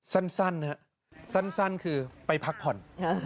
สั้นนะครับสั้นคือไปพักผ่อน